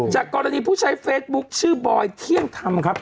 จากกรณีผู้ใช้เฟซบุ๊คชื่อบอยเที่ยงธรรมครับ